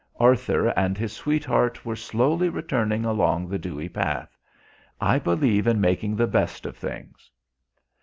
Arthur and his sweetheart were slowly returning along the dewy path. "I believe in making the best of things."